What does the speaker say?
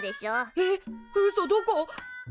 えっうそどこ？